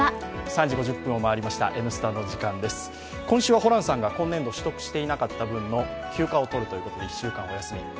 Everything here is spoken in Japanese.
今週はホランさんが今年度取得していなかった分の休暇をとるということで１週間お休み。